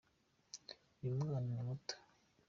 uyumwana nimuto